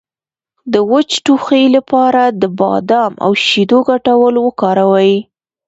د وچ ټوخي لپاره د بادام او شیدو ګډول وکاروئ